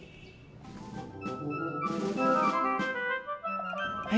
itu tuh ketinggal